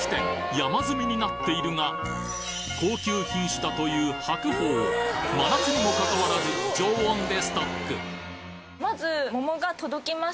山積みになっているが高級品種だという白鳳を真夏にもかかわらずここの。